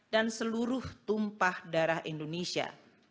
dan seluruh tumpah darah indonesia